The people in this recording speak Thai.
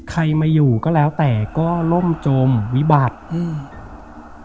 ใครมาอยู่ก็แล้วแต่ก็ล่มจมวิบัติอืม